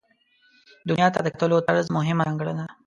دنیا ته د کتلو طرز مهمه ځانګړنه ده.